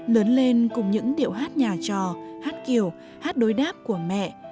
lớn lên cùng những điệu hát nhà trò hát kiểu hát đối đáp của mẹ